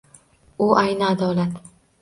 U ayni adolat